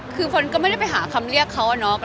คือเฟิร์นก็ไม่ได้ไปหาคำเรียกเขาอะเนาะ